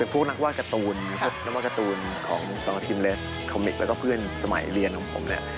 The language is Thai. ของสองทีมเลสคอมมิกแล้วก็เพื่อนสมัยเรียนของผม